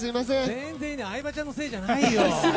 全然相葉ちゃんのせいじゃないよ。